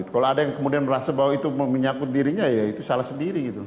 kalau ada yang kemudian merasa bahwa itu menyakut dirinya ya itu salah sendiri gitu